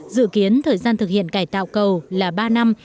dự kiến thời gian thực hiện cải tạo cầu là ba năm